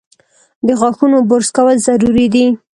د غاښونو برس کول ضروري دي۔